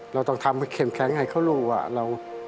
เราต้องทำให้เข้มแข็งให้เขารู้ว่าเรา